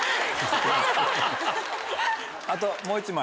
あともう１枚。